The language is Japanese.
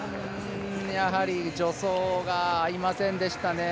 やはり助走が合いませんでしたね。